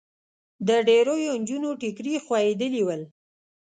د ډېریو نجونو ټیکري خوېدلي ول.